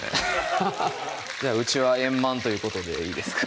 ハハハッじゃあうちは円満ということでいいですか？